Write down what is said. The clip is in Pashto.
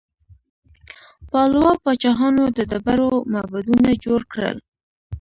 پالوا پاچاهانو د ډبرو معبدونه جوړ کړل.